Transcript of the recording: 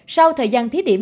sau thời gian thí điểm